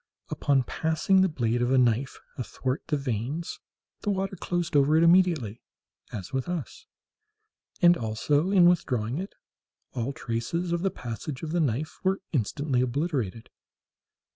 Upon passing the blade of a knife athwart the veins, the water closed over it immediately, as with us, and also, in withdrawing it, all traces of the passage of the knife were instantly obliterated.